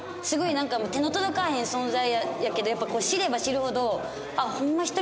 すごいなんかもう手の届かへん存在やけどやっぱこう知れば知るほどあっホンマ